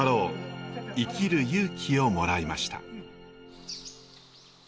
生きる勇気をもらいました。